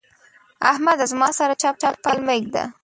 احمده! زما سره چپ پل مه اېږده.